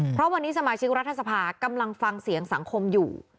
เพราะวันนี้สมาชิกรัฐสภากำลังฟังเสียงสังคมอยู่